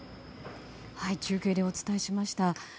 中継でお伝えしました。